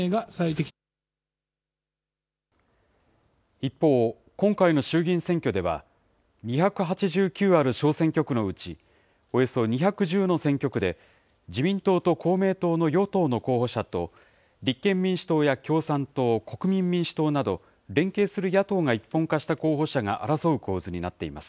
一方、今回の衆議院選挙では、２８９ある小選挙区のうち、およそ２１０の選挙区で自民党と公明党の与党の候補者と、立憲民主党や共産党、国民民主党など、連携する野党が一本化した候補者が争う構図になっています。